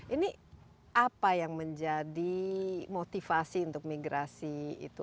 ini apa yang menjadi motivasi untuk migrasi itu